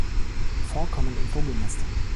Vorkommen in Vogelnestern.